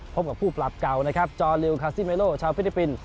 พบกับผู้ปรับเก่านะครับจอลิวคาซิเมโลชาวฟิลิปปินส์